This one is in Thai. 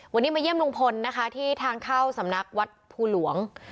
วันนี้มาเยี่ยมลุงพลนะคะที่ทางเข้าสำนักวัดภูหลวง